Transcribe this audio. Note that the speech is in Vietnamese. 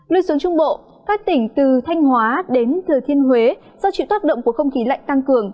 lưu xuống trung bộ các tỉnh từ thanh hóa đến thừa thiên huế do chịu tác động của không khí lạnh tăng cường